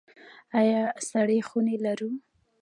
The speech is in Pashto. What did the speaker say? آیا سړې خونې لرو؟